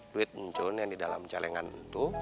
duit muncul yang di dalam celengan itu